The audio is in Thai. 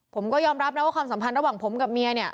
ผมก็ยอมรับนะว่าความสัมพันธ์ระหว่างผมกับเมียเนี่ย